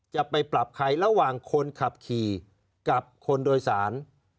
จะไปปรับใครระหว่างคนขับขี่กับคนโดยสาร